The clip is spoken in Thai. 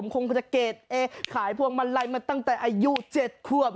คงจะเกรดเอ๊ขายพวงมาลัยมาตั้งแต่อายุ๗ควบ